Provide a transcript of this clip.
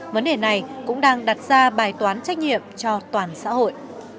vấn đề này cũng đang đặt ra bài toán trách nhiệm cho toàn xã hội